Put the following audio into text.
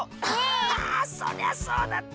ああそりゃそうだ。